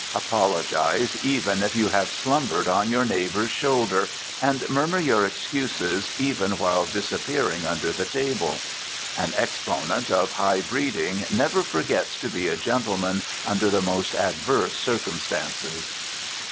Apologize, even if you have slumbered on your neighbor's shoulder, and murmur your excuses even while disappearing under the table. An exponent of high breeding never forgets to be a gentleman under the most adverse circumstances.